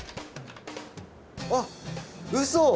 あっうそ！